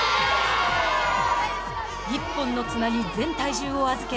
１本の綱に全体重を預け